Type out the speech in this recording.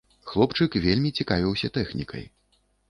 Хлопчык вельмі цікавіўся тэхнікай.